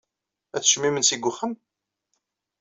Ad teččem imensi deg uxxam?